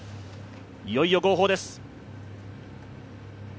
いよいよ号砲です。